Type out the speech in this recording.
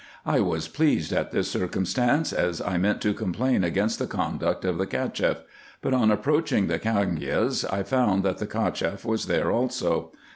I was pleased at this circumstance, as I meant to complain against the conduct of the Cacheff ; but, on approaching the cangias, I found that the Cacheff was there also.